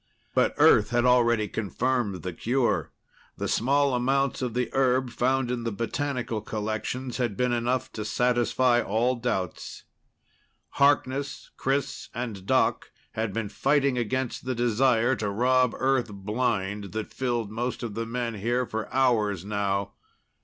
But Earth had already confirmed the cure. The small amounts of the herb found in the botanical collections had been enough to satisfy all doubts. Harkness, Chris and Doc had been fighting against the desire to rob Earth blind that filled most of the men here for hours now.